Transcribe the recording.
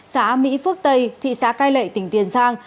xã mỹ phước tây thị xã cai lệ tỉnh tiền giang